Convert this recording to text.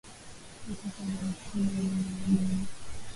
Weka karantini wanyama wageni